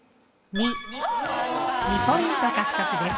２ポイント獲得です。